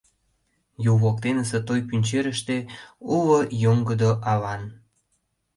Юл воктенысе той пӱнчерыште Уло йоҥгыдо алан.